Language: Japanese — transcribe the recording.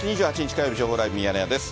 火曜日、情報ライブミヤネ屋です。